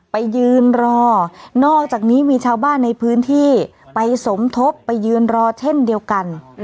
ไปยืนรอนอกจากนี้มีชาวบ้านในพื้นที่ไปสมทบไปยืนรอเช่นเดียวกัน